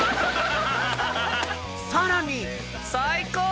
［さらに］